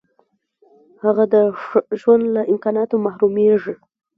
هغه د ښه ژوند له امکاناتو محرومیږي.